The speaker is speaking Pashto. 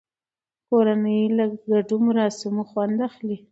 کورنۍ له ګډو مراسمو خوند اخلي